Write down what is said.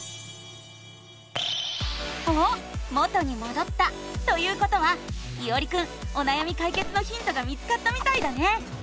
おっ元にもどったということはいおりくんおなやみかいけつのヒントが見つかったみたいだね！